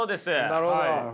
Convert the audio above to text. なるほど。